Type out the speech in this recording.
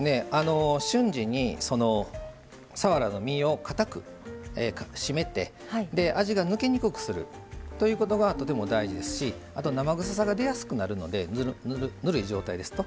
瞬時にさわらの身をかたく締めて味が抜けにくくするというのはということが大事ですし生臭さが出やすくなるのでぬるい状態ですと。